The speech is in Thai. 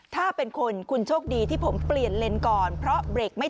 นี่นี่นี่นี่นี่นี่นี่นี่นี่นี่นี่นี่